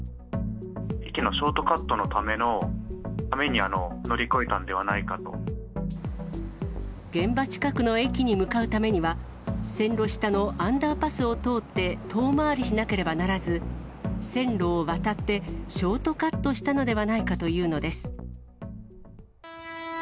駅のショートカットのために現場近くの駅に向かうためには、線路下のアンダーパスを通って遠回りしなければならず、線路を渡ってショートカットしたのではないかというのです。